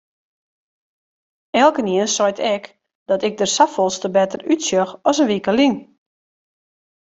Elkenien seit ek dat ik der safolleste better útsjoch as in wike lyn.